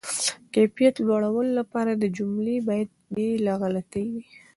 د کیفیت لوړولو لپاره، جملې باید بې له غلطۍ وي.